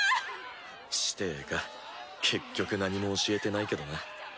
師弟か結局何も教えてないけどな。